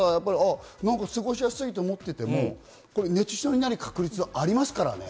過ごしやすいと思っていても熱中症になる確率はありますからね。